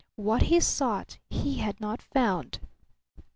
What he sought he had not found.